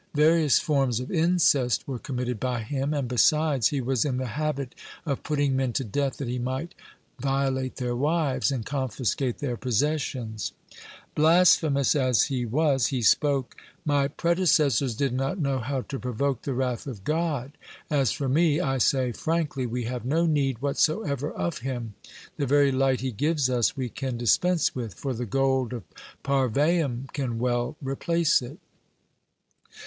Various forms of incest were committed by him, and, besides, he was in the habit of putting men to death that he might violate their wives, and confiscate their possessions. (125) Blasphemous as he was, he spoke: "My predecessors did not know how to provoke the wrath of God. As for me, I say frankly, we have no need whatsoever of Him; the very light He gives us we can dispense with, for the gold of Parvaim can well replace it."